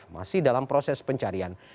masih dalam proses pencarian